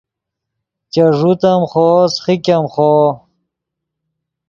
چے ݱوت ام خوو سیخیګ ام خوو